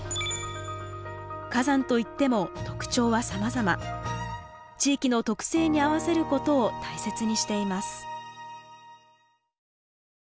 火山といっても特徴はさまざま地域の特性に合わせることを大切にしています。